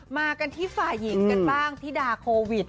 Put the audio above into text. มากันที่ฝ่ายหญิงกันบ้างธิดาโควิด